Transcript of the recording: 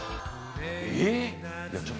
えっ？